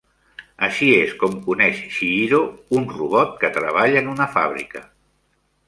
Així és com coneix Chihiro, un robot que treballa en una fàbrica.